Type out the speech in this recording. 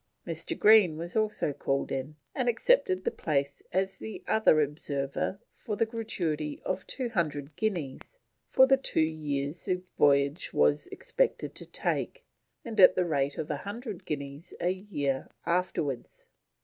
Mr. Green was also called in, and accepted the place as the other observer for the gratuity of 200 guineas for the two years the voyage was expected to take, and at the rate of 100 guineas a year afterwards.